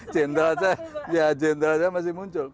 jendral saya masih muncul